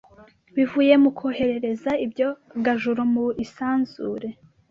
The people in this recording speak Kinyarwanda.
bivuye mu kohereza ibyogajuru mu isanzure